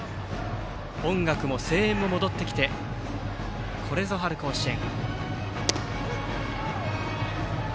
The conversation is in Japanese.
音楽も声援も戻ってきてこれぞ春甲子園。